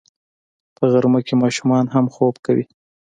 په غرمه کې ماشومان هم خوب کوي